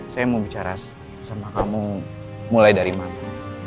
saya mau bicara sama kamu mulai dari mana